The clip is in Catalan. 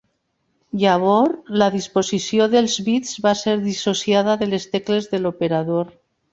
Llavors la disposició dels bits va ser dissociada de les tecles de l'operador.